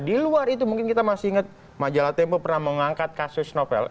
di luar itu mungkin kita masih ingat majalah tempo pernah mengangkat kasus novel